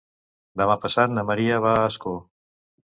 Demà passat na Maria va a Ascó.